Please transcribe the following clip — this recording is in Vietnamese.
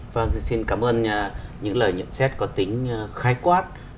vâng xin cảm ơn những lời nhận xét có tính khái quát